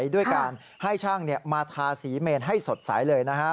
ด้วยการให้ช่างมาทาสีเมนให้สดใสเลยนะฮะ